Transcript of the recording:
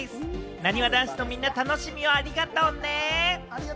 なにわ男子のみんな楽しみをありがとね。